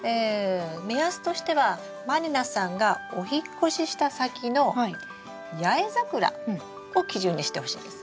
目安としては満里奈さんがお引っ越しした先の八重桜を基準にしてほしいんです。